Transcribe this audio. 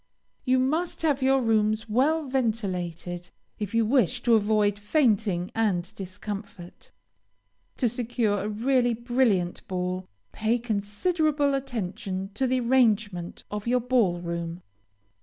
You must have your rooms well ventilated if you wish to avoid fainting and discomfort. To secure a really brilliant ball, pay considerable attention to the arrangement of your ball room.